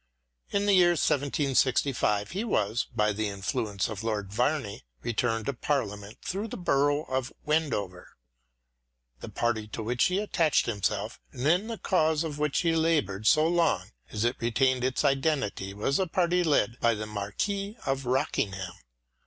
In the year 1765 he was, by the influence of Lord Verney, returned to Parliament for the borough of Wendover, The party to which he attached himself and in the cause of which he laboured so long as it retained its identity was the party led by the Marquis of Rockingham.